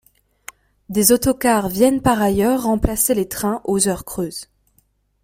Des autocars viennent par ailleurs remplacer les trains aux heures creuses.